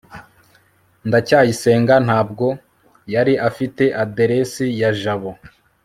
ndacyayisenga ntabwo yari afite aderesi ya jabo